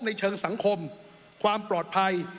ในเชิงสังคมความปลอดภัย